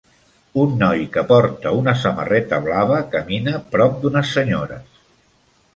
Un noi que porta una samarreta blava camina prop d'unes senyores.